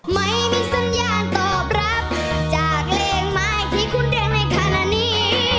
ไม่มีสัญญาณตอบรับจากเลขหมายที่คุณแดงในขณะนี้